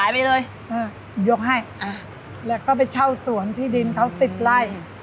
ไปเลยเออยกให้แล้วก็ไปเช่าสวนที่ดินเขาติดไล่